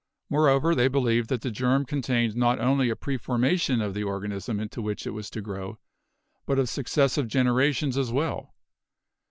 Moreover, they believed that the germ contained not only a preformation of the organism into which it was to grow, but of successive generations as well.